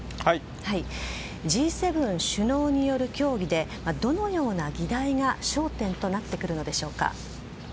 Ｇ７首脳による協議でどのような議題が焦点となるのでしょうか。